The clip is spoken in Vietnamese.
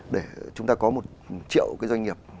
để chúng ta có một triệu cái doanh nghiệp